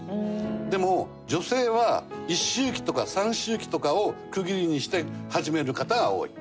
でも女性は一周忌とか三周忌とかを区切りにして始める方が多い。